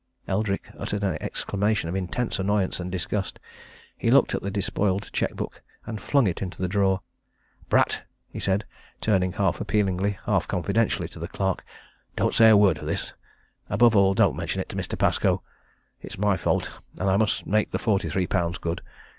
Eldrick uttered an exclamation of intense annoyance and disgust. He looked at the despoiled cheque book, and flung it into the drawer. "Pratt!" he said, turning half appealingly, half confidentially to the clerk. "Don't say a word of this above all, don't mention it to Mr. Pascoe. It's my fault and I must make the forty three pounds good.